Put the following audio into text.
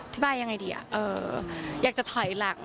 ที่บ้านยังไงดีอยากจะถอยหลัง